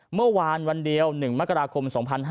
เมื่อวานวันเดียว๑มกราคม๒๕๕๙